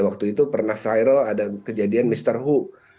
waktu itu pernah viral ada kejadian mr who